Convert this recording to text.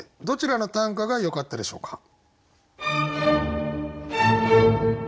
どちらの短歌がよかったでしょうか。